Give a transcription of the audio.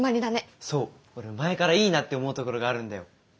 そう俺前からいいなって思う所があるんだよ。